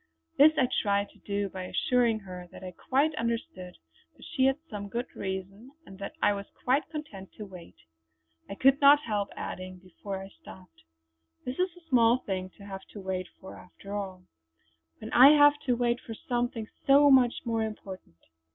This I tried to do by assuring her that I quite understood that she had some good reason, and that I was quite content to wait. I could not help adding before I stopped: "This is a small thing to have to wait for after all; when I have to wait for something so much more important."